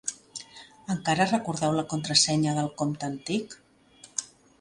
Encara recordeu la contrasenya del compte antic?